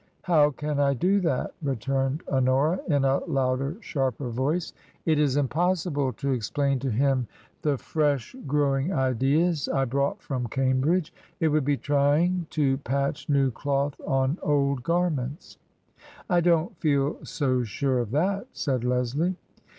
" How can I do that ?" returned Honora, in a louder, sharper voice. " It is impossible to explain to him the TRANSITION. 55 fresh growing ideas I brought from Cambridge. It would be trying to patch new cloth on old garments." " I don't feel so sure of that," said Leslie.